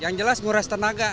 yang jelas murah tenaga